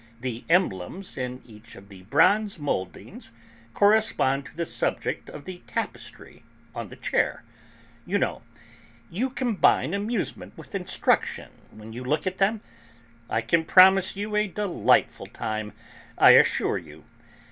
The emblems in each of the bronze mouldings correspond to the subject of the tapestry on the chair; you know, you combine amusement with instruction when you look at them; I can promise you a delightful time, I assure you.